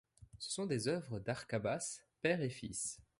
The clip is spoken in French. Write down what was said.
Ce sont des œuvres d'Arcabas père et fils.